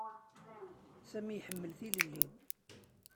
Sami iḥemmel tilelli.